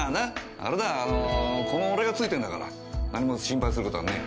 あれだこの俺がついてんだから何も心配する事はねえよ。